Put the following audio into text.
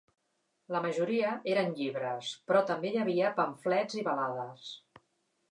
La majoria eren llibres, però també hi havia pamflets i balades.